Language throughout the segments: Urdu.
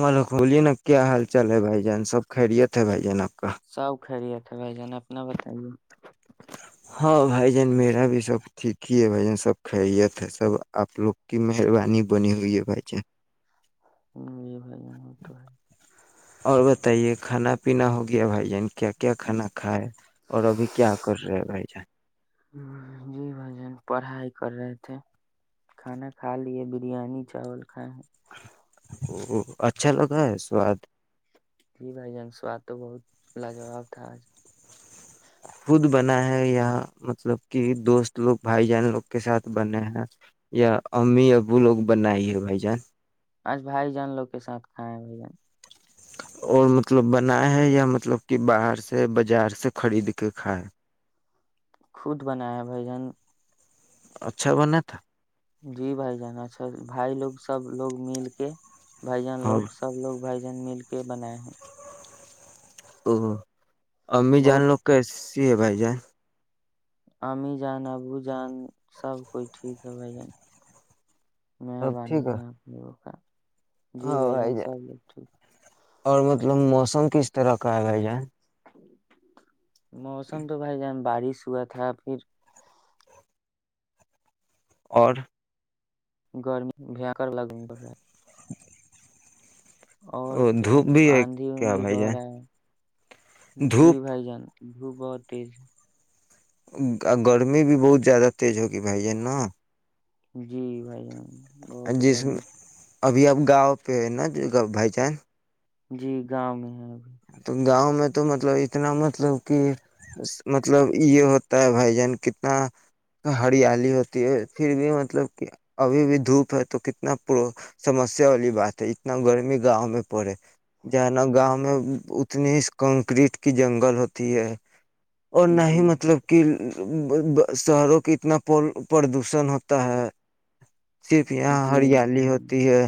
مل ہولی نا کیا حال چال ہے بھائی جان سب خیریت ہے بھائی جان آپ کا سو خری ہے بھائی جانا اپنا بتائیے ہاں بھائی جان میرا بھی سب ٹھ ہی ہے بائی جان سب کائیےت سب آپ لوگ کی مہربانی بنی ہوئی ہے بھائی جان ہ یہ بائی مور تو ہےائی اور بتائیے کھانا پینا ہو گیا بھائی جان کیا کیا کھانا کھا ہے اور ابھی کیا کر رہے بھائی جان جی بھائی جان پڑھائی کر رہے تھے کھانا کھا لی بریانی چاول کھائے ہیں ا اچھا لگا ہے سواد جی بھائی جن سواد تو بہت لاجواب تھا آج خود بنا ہے یا مطلب کہ دوست لوگ بھائی جان لوگ کے ساتھ بنے ہیں یا امی ابو لوگ بنائی ہے بھائی جان آج بھائی جان لوگ کے ساتھ کھائے ہیں بھائی جان اور مطلب بنائے ہے یا مطلب کہ باہر سے بازار سے خرید کے کھائے خود بنایا ہے بھائی جن اچھا بنا تھا جی بھائی جانا اچھا بھائی لوگ سب لوگ مل کے بائی جان اور لوگ سب لوگ بھائی جان مل کے بنائے ہیں ہ ہاں امی جان بہت لو کہس ج بھائی جائے عاممی جان ابو جان سب کوئی ٹھیک ہے بھائی جان سب مہربانی ٹھیک ہے کا جی بھائی جان سب بات ٹھیک اور مطلب موسم کس طرح کا آا ج موسم تو بائی جان بارش ہوا تھا پھر اور گرمی بھییاکر لگمی پڑ رہا ہے اور کیا دھوپ بھی ہے آندھی کیا اندھی بھائی بڑ رہا جان ہے جی دھوپ بھائی جان بھو بہت تیز گرمی بھی بہت زیادہ تیز ہوگی بھائی ج نا جی بھائی جان بہت جس گرمی ابھی اب گاؤں پہ ہے نا بھائی چانس جی گاؤں میں ہے ابھی تو گاؤں میں تو مطلب اتنا مطلب کہ مطلب یہ ہوتا ہے بھائی جان کتنا ہریالی ہوتی ہے پھر بھی مطلب کہ ابھی بھی دھوپ ہے تو کتنا پ سمسیا والی بات ہے اتنا گرمی گاؤں میں پڑے ج ہے نا گاؤں میں اتنی ہی کنکریٹ کی جنگل ہوتی ہے اور نہ ہی جی مطلب کہ شہروں کے اتنا پردوشن ہوتا ہے صرف یہاں جی ہریالی بھائی جان، ہوتی ہے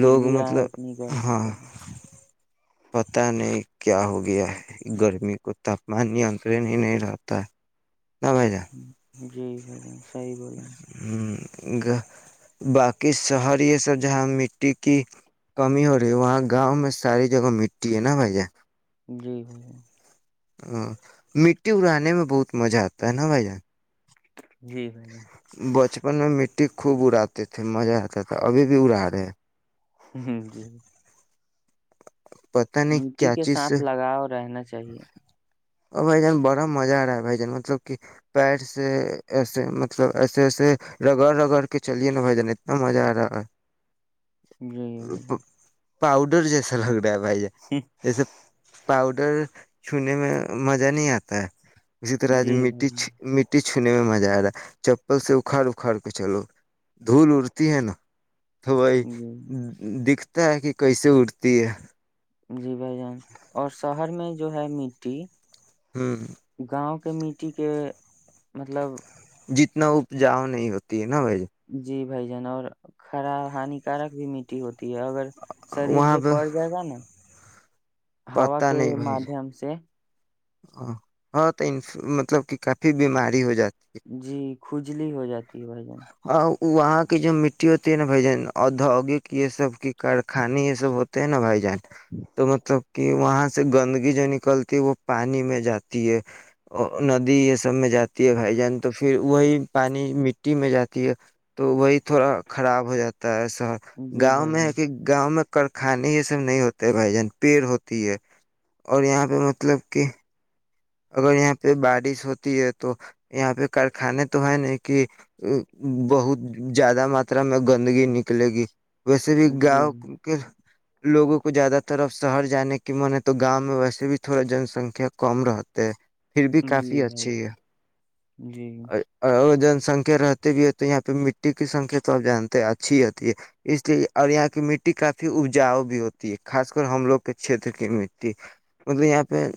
پھر لوگ بھی یہاں مطلب اتنی گرمی ہاں پڑ رہی پت نہیں کیا ہو گیا ہے گرمی کو تاپمان نیاترن ہی نہیں رہتا ن بھائی جان ہوں جی بھ جان صی بولے ہیں باقی شہر یہ سب جہاں مٹی کی کمی ہو رہی ہے وہاں گاؤں میں ساری جگہ مٹی ہے نا بھائی ج جی بھائی ا مٹی اڑانے میں بہت مزہ آتا ہے نا بھائی جان جی بھائی بچپن میں م خوب اڑاتے تھے مزہ آتا تھا ابھی بھی اڑا رہے ہیں ہ جی پتا نہیں مٹی کیا کے چیز سے ساتھ لگاؤ رہنا چاہیے اور بھ جان بڑا مزہ آ رہا ہے بھ جان مطلب کہ پیر سے ایسے مطلب ایسے ایسے رگڑ رگڑ کے چلے نا بھ جان اتنا مزہ آ رہا ہے جی ب [unintelligible] پؤڈر جیس [unintelligible] ہو جائے جسے پاؤڈر چونے میں مزہ نہیں آتا ہے اسی طرحج جی بھائی مٹی جان مٹی چھونے میں مزہ آ رہا ہے چپل سے اکھاڑ اکھاڑ کے چلو دھول اڑتی ہے نا تو بائی جی دکھ [unintelligible] ہوتا ہے کہ کیسے اٹ ت [unintelligible] جی بھائی جان اور شہر میں جو ہے مٹی ہوں [unintelligible] گاؤں کے مٹٹی کے مطلب [unintelligible] جتنا اپجاؤ نہیں ہوتی ہے [unintelligible] نا ب ج [unintelligible] بھجن اور خراب ہانیکارک بھی مٹی ہوتی [unintelligible] اگر شریر پہ پڑ جائے گا نا ہوا کے مادادھیم سے ا ہاں تو مطلب کہ کافی بیماری ہو جاتی جی کھجلی ہو جاتی ہے بھجن ہے اور وہاں کی جو مٹی ہوتی ہے نا بائی جان ادوگک یہ سب کی کارخانے یہ سب ہوتے ہے نا بائی جان [unintelligible] تو مطلب [unintelligible] کہ وہاں سے گندگی جو نکلتی وہ پانی میں جاتی ہے ندی یہ سب میں جاتی ہے بھائی جان تو پھر وہی پانی مٹی میں جاتی ہے تو وہی تھوڑا خراب ہو جاتا ہے [unintelligible] جی گاؤں بھائی میں جان ہے کہ گاؤں میں کخانے یہ سب نہیں ہوتے ہے بھائی جان پیڑ ہوتی ہے اور یہاں پہ مطلب [unintelligible] اوکے [unintelligible] اگر یہاں پہ بارش ہوتی ہے تو یہاں پہ کارخانے تو ہے نا کہ بہت زیادہ ماترا میں گندگی نکلے گی ویسے بھی جی گاؤ کے لوگوں کو زیادہ تر اب شہر جانے کی من ہے تو گاؤں میں ویسے بھی تھوڑا جن سنکھیا کم رہتا تو [unintelligible] پھر بھی جی کافی بھائی اچھی ہے جان جی اور جن سنکھ [unintelligible] رہتے بھی ہو تو یہاں پہ مٹی کی سنکھیا تو اب جانتے اچھی ہوتی ہے اس لیے اور یہاں کی مٹی کافی اپجاؤ بھی ہوتی ہے خاص کر ہم لوگ کے کھیتر کی مٹی مطلب یہ [unintelligible] پ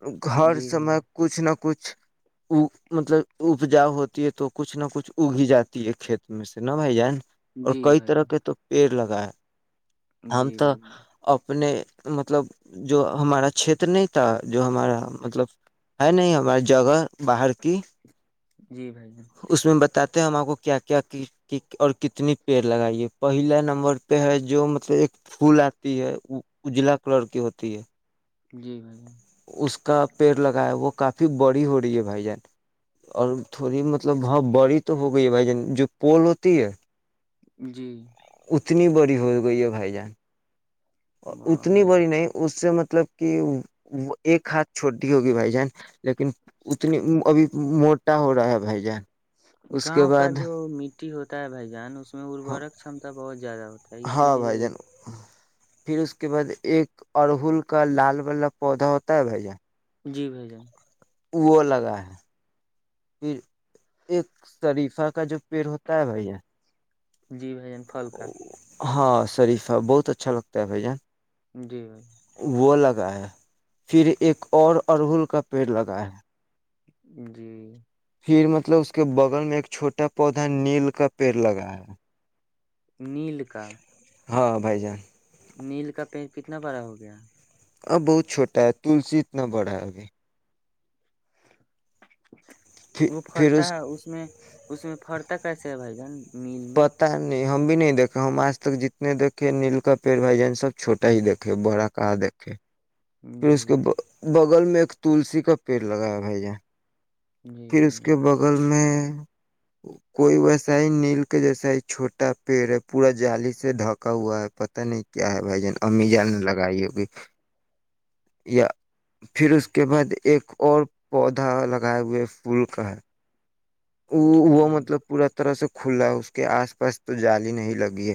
[unintelligible] ہر سمے کچھ نہیں [unintelligible] نہ کچھ مطلب اپجاؤ ہوتی ہے تو کچھ نہ کچھ اگی جاتی ہے کھیت میں سے نہ بھائی جان [unintelligible] اور جی کئی بھائی طرح جان، کے تو پیڑ لگ [unintelligible] ہم جی تو اب بھائی جان [unintelligible] اپنے مطلب جو ہمارا چھیت نہیں تھا جو ہمارا [unintelligible] مطلب ہے نہیں ہمار جگہ باہر کی جی بھائی جن [unintelligible] اس میں بتاتے ہم آپ کو کیا کیا اور کتنی پیڑ لگائیے پہلا نمبر پہ ہے جو مطلب ایک پھول آتی ہے وہ اجلا کلر کی ہوتی ہے [unintelligible] جی بھائی [unintelligible] اس کا پیڑ لگایا وہ کافی بڑی ہو رہی ہے بھائی جان اور تھوڑی مطلب ہاں بڑی تو ہو گئی ہے بھائی جان جو پول ہوتی ہے جی [unintelligible] اتنی بڑی ہو گئی ہے بھائی جان واہ اتنی بھائی جان بڑی نہیں اس سے مت مطلب کہ ایک ہاتھ چھوٹیی ہوگی بھائی جان لیکن اتنی ابھی موٹا ہو رہا ہے بھائی جان اس کے گاؤں کا بعد جو م ہوتا ہے بھائی جان اس اس میں ارورک چمتا بہت زیادہ ہوتا ہے اسی ہاں لیے بھائی جان پھر اس کے بعد ایک ارہل کا لال والا پودا ہوتا ہے بھائی جان جی بھ جان وہ لگا ہے پھر ایک شریفہ کا جو پیڑ ہوتا ہے بھیا جی بھ جان پھل کاا ہاں شریفہ بہت اچھا لگتا ہے بھائی جان جی بائی وہ لگا ہے پھر ایک اور ارہل کا پیڑ لگا ہے جی پھر مطلب اس کے بغل میں ایک چھوٹا پودا نیل کا پیڑ لگا ہے نیل کا ہاں بھائی جان نیل کا پیٹ کتنا بڑا ہو گیا اب بہت چھوٹا ہے تلسی اتنا بڑا ہے ابھی پھر وہ پھر فرتا ہے اس میں اس میں فرتا کیسے ہے بھائی جن پتا نہیں ہم بھی نہیں دیکھ ہم آج تک جتنے دھے نیل کا پیڑ بھائی جان سب چوٹا ہی دھے بڑا کہاں دیکے پھر جی اس کے ب بگل میں ایک تلسی کا پیڑ لگایا بھائی جان جی پھر اس بھائی کے بغل میں کوئی ویسا ہی نیل کا جیسا ہی چھوٹا پیڑ ہے پورا جالی سے ڈھکا ہوا ہے پت نہیں کیا ہے بھ جان امی جان نے لگائی ہوگی یا پھر اس کے بعد ایک اور پودا لگائے ہوئے پل کا ہے وہ وہ جان، مطلب پورا طرح سے کھلا اس کے آس پاس تو جالی نہیں لگی ہے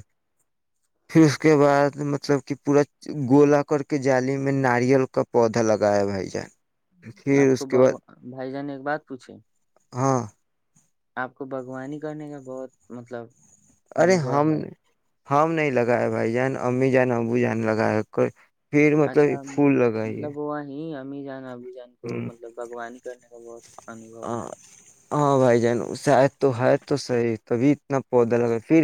پھر اس کے بعد مطلب کہ پورا گولا کر کے جالی میں ناریل کا پودا لگایا بھائی جان آپ پھر کو اس کے بعد بگو بھائی جان ایک بات پوچھے ہاں آپ کو باغوانی کرنے کا بہت مطلب ارے انوبو ہم ہے نے ہم نہیں لگائے بھائی جان امی جان ابو جان لگایا پھر مطلب یہ پھول لگائیے نہیں جانا اپ بھی جان کو مطلب بگوانی کرنے انوب ہ ہے ہاں بھائی جان شاید تو ہے تو صحیح تبھی اتنا پودا لگا پھر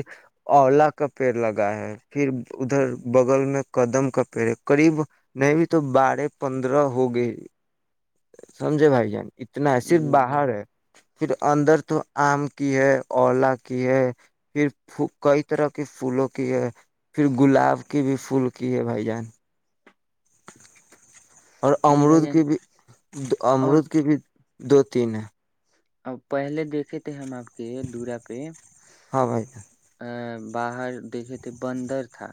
اولا کا پیڑ لگایا ہے پھر ادھر بغل میں کا دم کا پیڑ ہے قریب نہیں بھی تو بارہ پندرہ ہو گے سمجے بھائی جان اتنا ہے صرف جی باہر ہے بھائی پھر اندر تو آم کی ہے اولا کی ہے پھر کئی طرح کے پھولوں کی ہے پھر گلاب کی بھی پھول کی ہے بھائی جان [inaudible] اور جی بھائی امرود جان کے بھی امرود کے بھی دو تین ہیں اب پہلے دیکھے تھے ہم آپ کے دورا پہ ہاں بھائی ا باہر دیکھے تھے بندر تھا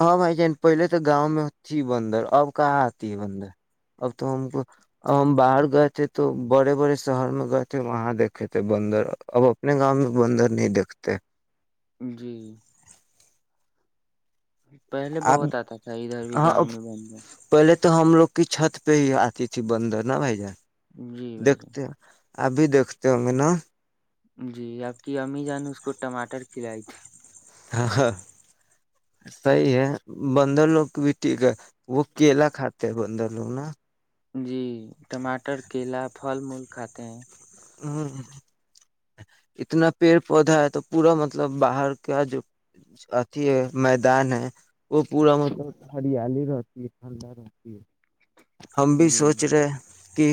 ہاں بھائی جان پہلے تو گاؤں میں تھی بندر اب کہاں آتی ہے بندر اب تو ہم کو ہم باہر گئے تھے تو بڑے بڑے شہر میں گئے تھے وہاں دیکھے تھے بندر اب اپنے گاؤں میں بندر نہیں دیکھتے جی پہلے آپ بہت آتا تھا ادھر بھی ہاں گاؤں میں بندر پہلے تو ہم لوگ کی چھت پہ ہی آتی تھی بندر نا بھائی جان جی بھائی دیکھتے جان ہیں ابھی دیکھتے ہوں گے نا جی آپ کی امی جان اس کو ٹماٹر کھلائی تھی ہاں ہاں صحی ہے بندر لوگ کو بھی ٹھیک ہے وہ کیلا کھاتے ہیں بندر لوگ نا جی ٹماٹر کیلا پھل مول کھاتے ہیں ہ اتنا پیڑ پودا ہے تو پورا مطلب باہر کا جو اھی ہے میدان ہے وہ پورا مطلب ہریالی رہتی ہے ٹھنڈا رہتی ہے ہم بھی جی سوچ رہے کہ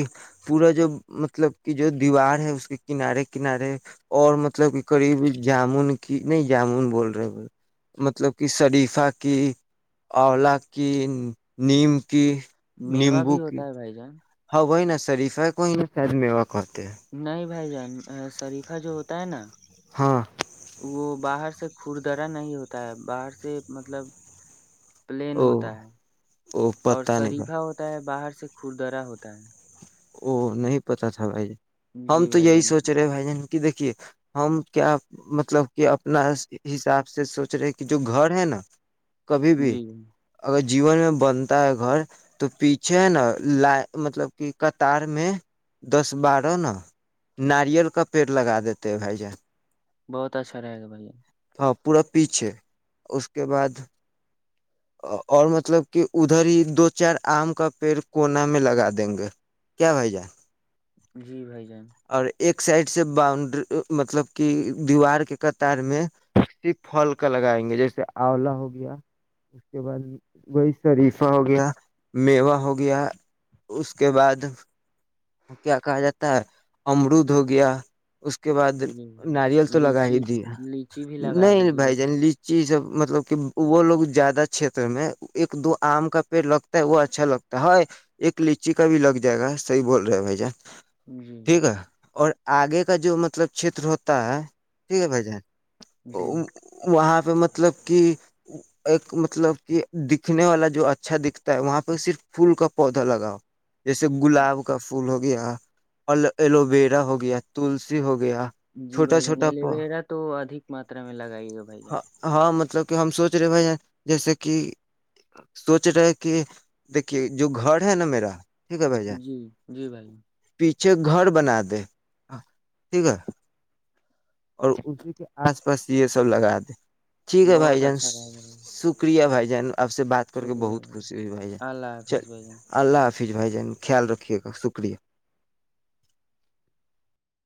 پورا جو مطلب جو دیوار ہے اس کے کنارے کنارے اور مطلب کی قریب جامن کی نہیں جامن بول رہے بول مطلب کی شریفہ کی اولا کی نیم کی میوہ نیمبو بھی کی ہوتا ہے بھائی جان ہاں نا سریف ہے کوئی ن س م وق اتے ہیں نہیں بھائی جان شریفہ جو ہوتا ہے نا ہاں وہ باہر سے سے کوردرا نہیں ہوتا ہے باہر سے مطلب پلین او ہوتا ہے او اور پتا نہیں بھائی شریفا ہوتا ہے باہر سے خوردرا ہوتا ہے وہ نہیں پتا تھا بھائی ہم جی تو بھائی یہی جان سوچ رہے بھائی جن کہ دیکھیے ہم کیا مطلب کہ اپنا حساب سے سوچ رہے کہ جو گھر ہے نا [unintelligible] کبھی بھی جی اگر [unintelligible] جیون میں بنتا ہے گھر تو پیچھے ہے نا ل مطلب کہ [unintelligible] قطار میں دس بارہ ن ناریل کا پیڑ لگا دیتے بھائی جان [unintelligible] بہت اچھا رہے گا بھیا ہاں پورا پیچھے اس کے بعد [unintelligible] اور مطلب کہ ادھر ہی دو چار آم کا پیڑ کونا میں لگا دیں گے کیا بھائی جان جی بھائی جان [unintelligible] اور ایک سائڈ سے باؤنڈری مطلب کی دیوار کے قطار میں ص پھل کا لگائیں گے جیسے آولا ہو گیا [unintelligible] اس کے بعد وہی شریفہ ہو گیا میوا ہو گیا اس کے بعد [unintelligible] کیا کہا جاتا ہے امرود ہو گیا اس کے بعد جی بھائی جان، ناریل تو لگا ہی لیچی دیا لیچی بھی لگا نہیں دیجیے بھائی گا جانچ چیزب مطلب کہ وہ لوگ زیادہ چھیتر میں ایک دو آم کا پیڑ لگتا ہے وہ اچھا لگتا ہے ہے ایک لچی کا بھی لگ جائے گا صحیح بول رہ [unintelligible] ہوی جا جی [unintelligible] ٹھیک ہے اور [unintelligible] آگے کا جو مطلب چھیتر ہوتا ہے ٹھیک ہے بھائی جان جی [unintelligible] وہاں پہ مطلب [unintelligible] کہ ایک مطلب کہ دکھنے والا جو اچھا دکھتا ہے وہاں پہ صرف پھول کا پودا لگاؤ [unintelligible] جیسے گلاب [unintelligible] پھول ہو گیا اور ایلوویرا ہو گیا تلسی ہو گیا [unintelligible] جی چھوٹا بھائی جان چھوٹا ایلوویرا تو ادھک ماترا میں لگائی گا بھائی جان ہاں مطلب کہ ہم سوچ رہے بھ جیسے کہ سوچ رہے کہ دیکھیے جو گھر ہے نا میرا [unintelligible] ٹھیک ہے بھ جا [unintelligible] جی جی بھائی [unintelligible] اچھے گھر بنا دے ٹھیک ہے اور اسی کے آس پاس یہ سب لگا دے [unintelligible] ٹھیک ہے بھائی بہت جان اچھا رہے گا بھائی جان۔ شکریہ بھائی ج جن [unintelligible] اب سے بات کر کے شکریہ بہت بھائی جان، خوشی ہو با ہے اللہ چل حافظ بھائی جان اللہ حافظ [unintelligible] فھر بھائی جان خیال رکھ [unintelligible] رکے گا شکریہ [unintelligible]